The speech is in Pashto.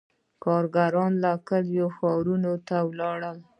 • کارګران له کلیو ښارونو ته ولاړل.